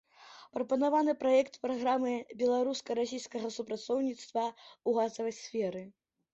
Прапанаваны праект праграмы беларуска-расійскага супрацоўніцтва ў газавай сферы.